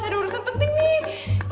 ada urusan penting nih